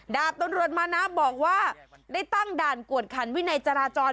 ดาบตำรวจมานะบอกว่าได้ตั้งด่านกวดขันวินัยจราจร